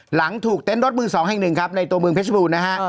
หลังถูกเต็นต์รถมือ๒แห่งหนึ่งครับในตัวเมืองเพชรบูรณนะฮะ